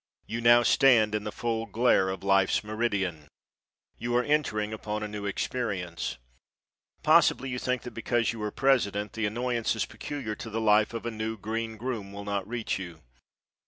You now stand in the full glare of life's meridian. You are entering upon a new experience. Possibly you think that because you are president the annoyances peculiar to the life of a new, green groom will not reach you.